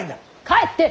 帰って！